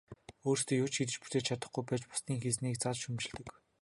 Өөрсдөө юу ч хийж бүтээж чадахгүй байж бусдын хийснийг зад шүүмжилдэг.